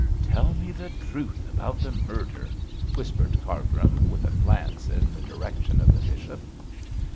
'Tell me the truth about the murder,' whispered Cargrim, with a glance in the direction of the bishop.